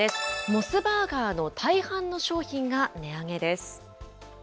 モスバーガーの大半の商品が値上げです。